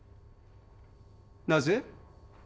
なぜ？